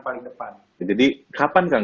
paling depan jadi kapan kang